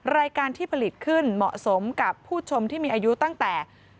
รายการที่ผลิตขึ้นเหมาะสมกับผู้ชมที่มีอายุตั้งแต่